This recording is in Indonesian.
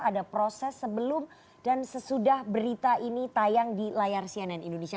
ada proses sebelum dan sesudah berita ini tayang di layar cnn indonesia